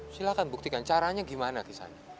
silahkan buktikan caranya gimana kisah nak